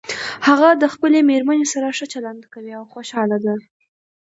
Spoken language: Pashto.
هغه د خپلې مېرمنې سره ښه چلند کوي او خوشحاله ده